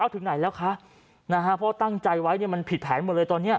ถึงไหนแล้วคะนะฮะเพราะตั้งใจไว้เนี่ยมันผิดแผนหมดเลยตอนนี้